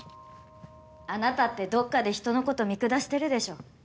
あなたってどっかで人のこと見下してるでしょ？